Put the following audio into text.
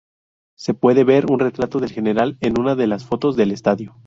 Se puede ver un retrato del general en una de las fotos del estadio.